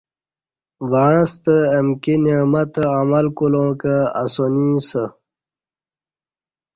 وعݩستہ امکی نعمتہ عمل کولاں کہ اسانی اسہ